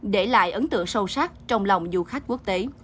để lại ấn tượng sâu sắc trong lòng du khách quốc tế